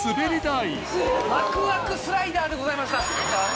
わくわくスライダーでございました。